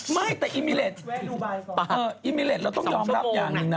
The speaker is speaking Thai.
ไม่แต่อิมิเลสอิมิเลสเราต้องยอมรับอย่างหนึ่งนะ